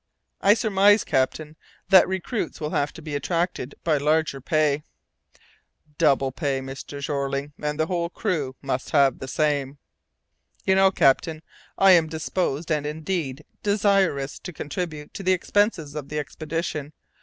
"I surmise, captain, that recruits will have to be attracted by larger pay." "Double pay, Mr. Jeorling, and the whole crew must have the same." "You know, captain, I am disposed, and, indeed, desirous to contribute to the expenses of the expedition.